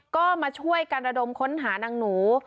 ก็มาช่วยกันระดมค้นหานางหนู